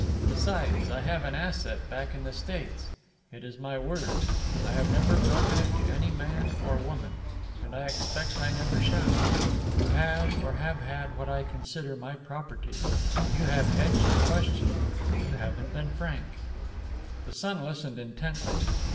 Besides, I have an asset back in the States. It is my word. I have never broken it to any man or woman, and I expect I never shall. You have, or have had, what I consider my property. You have hedged the question; you haven't been frank." The son listened intently.